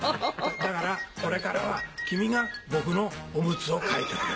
だからこれからは君が僕のオムツを替えてくれる。